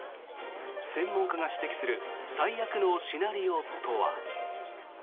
専門家が指摘する最悪のシナリオとは。